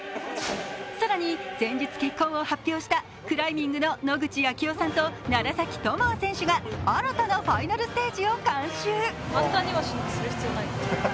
更に、先日、結婚を発表したクライミングの野口啓代さんと楢崎智亜選手が新たなファイナルステージを監修。